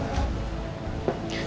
karena dia juga suka sama nino